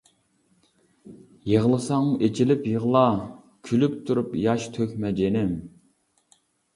يىغلىساڭمۇ ئېچىلىپ يىغلا، كۈلۈپ تۇرۇپ ياش تۆكمە جېنىم!